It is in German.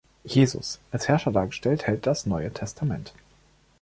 Jesus, als Herrscher dargestellt, hält das Neue Testament.